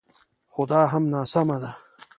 خو دا هم ناسمه ده